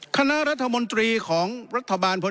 คณะรัฐมนตรีของรัฐบาลพล